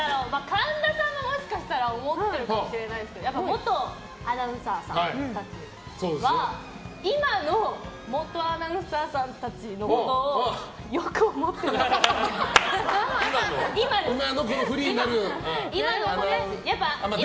神田さんはもしかしたら思っているかもしれないですけどやっぱ、元アナウンサーさんは今の元アナウンサーさんたちのことをよく思っていないっぽい。